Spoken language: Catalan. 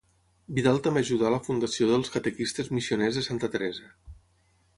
Vidal també ajudà a la fundació dels Catequistes Missioners de Santa Teresa.